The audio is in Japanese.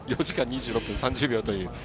４時間２６分３０秒という。